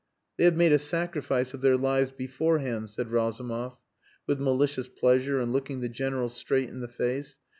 "They have made a sacrifice of their lives beforehand," said Razumov with malicious pleasure and looking the General straight in the face.